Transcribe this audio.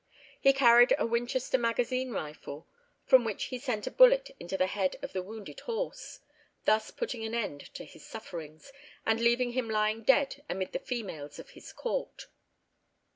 He carried a Winchester magazine rifle, from which he sent a bullet into the head of the wounded horse, thus putting an end to his sufferings, and leaving him lying dead amid the females of his court.